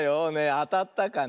あたったかな？